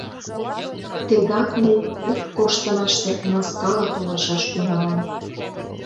Тегак мый куп коштымаште маскала толашаш тӱҥалам...